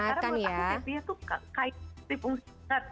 karena buat aku kasi itu kain yang berfungsi